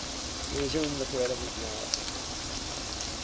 He resumed the thread of his narrative.